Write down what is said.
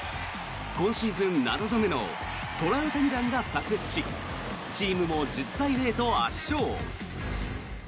今シーズン７度目のトラウタニ弾がさく裂しチームも１０対０と圧勝。